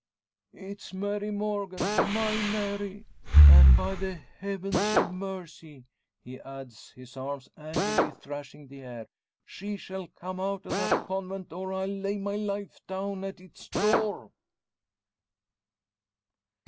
"It's Mary Morgan my Mary! An' by the Heavens of Mercy," he adds, his arms angrily thrashing the air, "she shall come out o' that convent, or I'll lay my life down at its door."